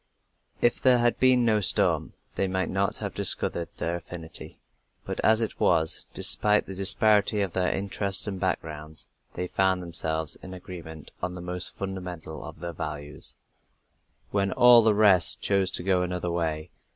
If there had been no storm, they might not have discovered their affinity, but as it was, despite the disparity of their interests and backgrounds, they found themselves in agreement on the most fundamental of their values, when all the rest chose to go another way.